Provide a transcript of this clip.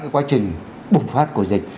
quá trình bùng phát của dịch